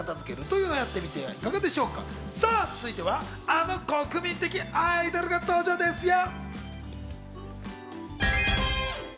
さぁ、続いてはあの国民的アイドルが登場ですよ。